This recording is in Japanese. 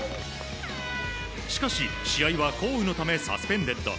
しかし、試合は降雨のためサスペンデッド。